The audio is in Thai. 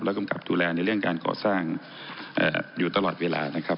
กำกับดูแลในเรื่องการก่อสร้างอยู่ตลอดเวลานะครับ